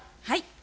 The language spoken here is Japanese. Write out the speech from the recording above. はい。